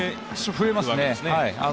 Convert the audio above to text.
増えますね。